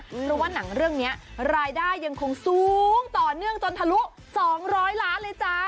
เพราะว่าหนังเรื่องนี้รายได้ยังคงสูงต่อเนื่องจนทะลุ๒๐๐ล้านเลยจ้า